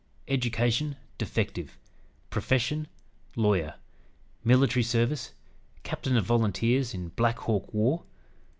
"Education defective. "Profession, lawyer. "Military service, captain of volunteers in Black Hawk War.